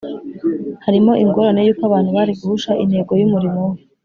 harimo ingorane y’uko abantu bari guhusha intego y’umurimo we